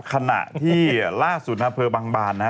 ขณะที่ล่าสุดนะฮะเพลิงบางบานนะฮะ